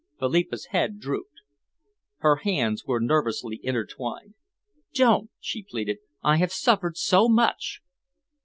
Philippa's head drooped. Her hands were nervously intertwined. "Don't!" she pleaded, "I have suffered so much."